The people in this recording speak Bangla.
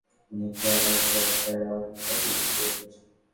অনেকে ভাঙনের মুখে বসতবাড়ির টিনের চাল, আসবাব, বেড়া, হাঁড়িপাতিল সরিয়ে নিচ্ছেন।